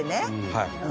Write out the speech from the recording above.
はい。